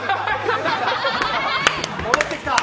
戻ってきた！